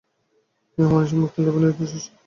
ইহা মানুষের মুক্তিলাভের নিরন্তর চেষ্টা।